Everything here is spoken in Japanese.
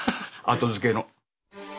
後付けの。